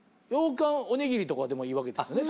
羊かんおにぎりとかでもいいわけですね？